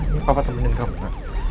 ini papa temenin kamu nak